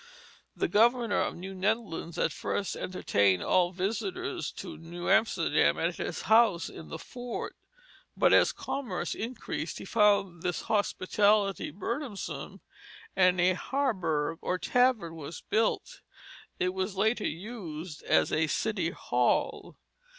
The governor of New Netherlands at first entertained all visitors to New Amsterdam at his house in the fort. But as commerce increased he found this hospitality burdensome, and a Harberg or tavern was built; it was later used as a city hall.